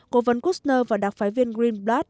cố vấn kushner và đặc phái viên greenblatt